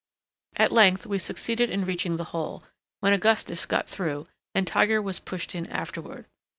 At length we succeeded in reaching the hole, when Augustus got through, and Tiger was pushed in afterward.